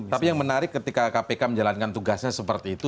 tapi yang menarik ketika kpk menjalankan tugasnya seperti itu